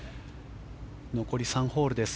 残り３ホールです。